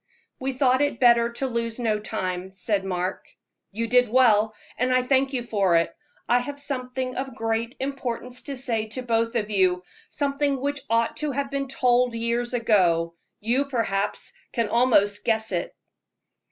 "We thought it better to lose no time," said Mark. "You did well, and I thank you for it. I have something of great importance to say to both of you something which ought to have been told years ago. You, perhaps, can almost guess it."